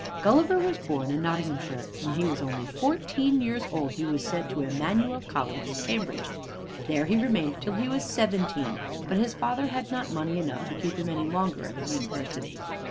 Gulliver was born in Nottinghamshire, and when he was only fourteen years old he was sent to Emanuel College, Cambridge. There he remained till he was seventeen, but his father had not money enough to keep him any longer at the University.